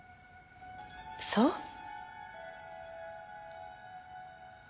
そう？